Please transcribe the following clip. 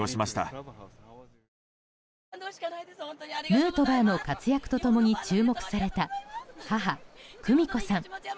ヌートバーの活躍と共に注目された母・久美子さん。